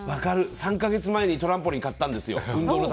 ３か月前に運動のためにトランポリン買ったんですよ。